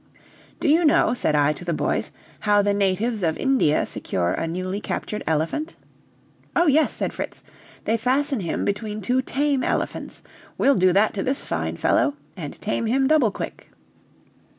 "Do you know," said I to the boys, "how the natives of India secure a newly captured elephant?" "Oh, yes!" said Fritz; "they fasten him between two tame elephants. We'll do that to this fine fellow, and tame him double quick."